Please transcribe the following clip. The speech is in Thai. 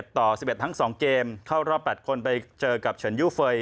ต่อ๑๑ทั้ง๒เกมเข้ารอบ๘คนไปเจอกับเฉินยูเฟย์